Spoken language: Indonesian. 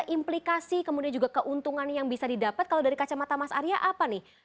implikasi kemudian juga keuntungan yang bisa didapat kalau dari kacamata mas arya apa nih